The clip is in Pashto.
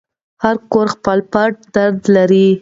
هر کور خپل پټ درد لري.